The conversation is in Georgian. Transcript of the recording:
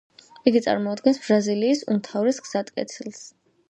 იგი წარმოადგენს ბრაზილიის უმთავრეს გზატკეცილს.